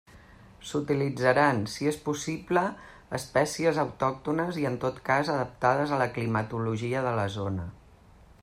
S'utilitzaran, si és possible, espècies autòctones, i, en tot cas, adaptades a la climatologia de la zona.